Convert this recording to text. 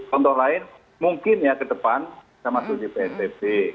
contoh lain mungkin ya ke depan sama dengan di bntt